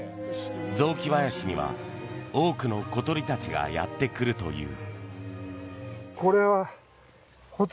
雑木林には多くの小鳥たちがやってくるという。